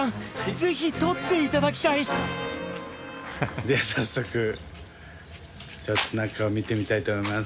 ぜひ撮っていただきたいでは早速ちょっと中を見てみたいと思います。